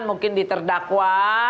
mungkin di terdakwa